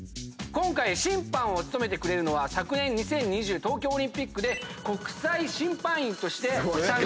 今回審判を務めてくれるのは昨年２０２０東京オリンピックで国際審判員として参加した。